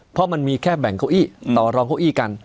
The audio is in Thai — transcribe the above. เพราะมันมีแค่แบ่งเก้าอี้ต่อรองเก้าอี้กัน